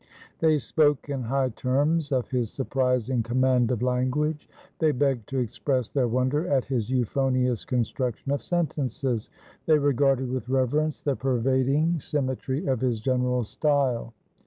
They spoke in high terms of his surprising command of language; they begged to express their wonder at his euphonious construction of sentences; they regarded with reverence the pervading symmetry of his general style.